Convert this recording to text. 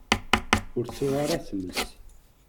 Ur tuɣ ara tmes.